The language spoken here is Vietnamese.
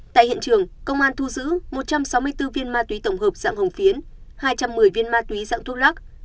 tại hiện trường công an thu giữ một trăm sáu mươi bốn viên ma túy tổng hợp dạng hồng phiến hai trăm một mươi viên ma túy dạng thuốc lắc